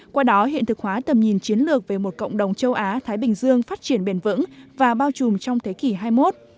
qua đó hiện thực hóa tầm nhìn chiến lược về một cộng đồng châu á thái bình dương phát triển bền vững và bao trùm trong thế kỷ hai mươi một